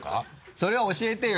それは教えてよ